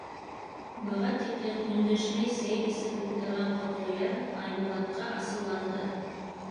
Быға тиклем өндәшмәй сәй эсеп ултырған Ҡотлояр Айбулатҡа асыуланды: